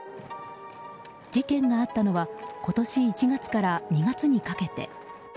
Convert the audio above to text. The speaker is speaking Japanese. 事件があったのは今年１月から２月にかけて。